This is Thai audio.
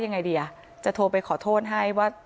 ยังไงดีอ่ะจะโทรไปขอโทษให้ว่า